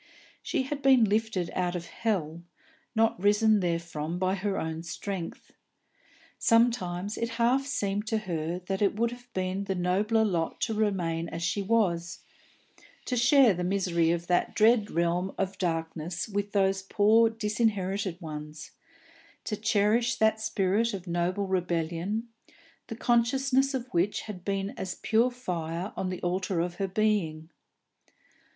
She had been lifted out of hell, not risen therefrom by her own strength. Sometimes it half seemed to her that it would have been the nobler lot to remain as she was, to share the misery of that dread realm of darkness with those poor disinherited ones, to cherish that spirit of noble rebellion, the consciousness of which had been as a pure fire on the altar of her being.